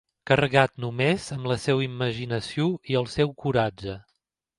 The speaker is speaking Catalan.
Carregat només amb la seva imaginació i el seu coratge.